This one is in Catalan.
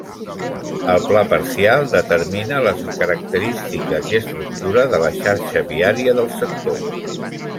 El pla parcial determina les característiques i estructura de la xarxa viària del sector.